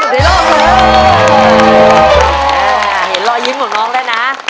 เรียนลอยยิ้มของน้องด้วยนะ